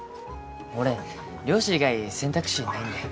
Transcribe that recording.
俺漁師以外選択肢ないんで。